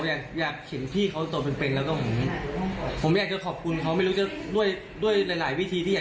จริงอยากมีงานจะมอบให้ด้วย